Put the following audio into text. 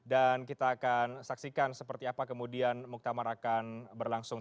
dan kita akan saksikan seperti apa kemudian muktamar akan berlangsung